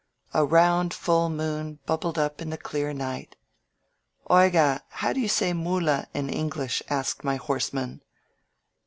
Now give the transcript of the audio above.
A round, full moon bubbled up in the clear night. *'Oiga, how do you say *mula' in English?" asked my horseman.